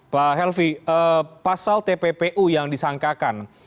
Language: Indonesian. pak helvi pasal tppu yang disangkakan